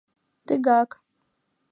— Тыгак!